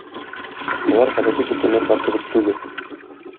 Болар гадәти документлар кебек түгел.